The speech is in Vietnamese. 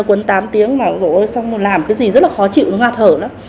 cuốn tám tiếng mà rồi xong rồi làm cái gì rất là khó chịu nó ngạc thở lắm